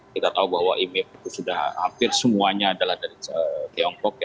kita tahu bahwa image itu sudah hampir semuanya adalah dari tiongkok